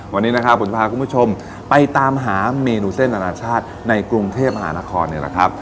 วันนี้นะครับผมพาคุณผู้ชมไปตามหาเมนูเส้นอนาชาติในกรุงเทพมหานครเนี่ยนะครับ